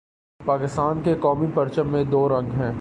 پاکستان کے قومی پرچم میں دو رنگ ہیں